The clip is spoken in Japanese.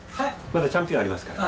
まだ「チャンピオン」ありますから。